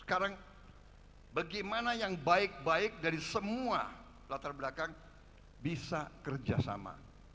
sekarang bagaimana yang baik baik dari semua latar belakang bisa kerjasama